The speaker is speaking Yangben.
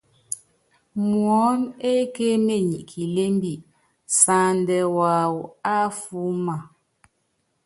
Muɔ́n ekémenyi kilembi, sandɛ waawɔ afúúma.